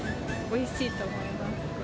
おいしいと思います。